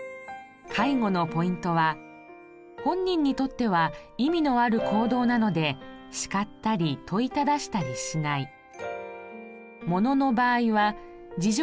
介護のポイントは本人にとっては意味のある行動なので叱ったり問いただしたりしない。